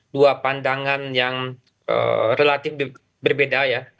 dua pandangan yang relatif berbeda ya